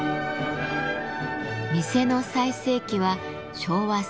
店の最盛期は昭和３０年代。